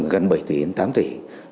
gần bảy tỷ đến tám tỷ